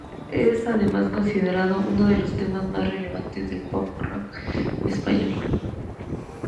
Es además considerado uno de los temas más relevantes del pop rock español.